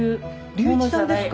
隆一さんですか？